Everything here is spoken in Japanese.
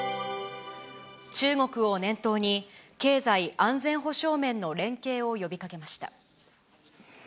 中国を念頭に、経済安全保障面の連携を呼びかけました。